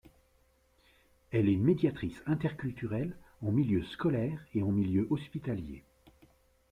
Elle est médiatrice inter-culturelle en milieu scolaire et en milieu hospitalier.